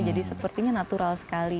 jadi sepertinya natural sekali